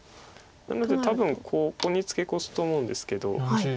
なので多分ここにツケコすと思うんですけど。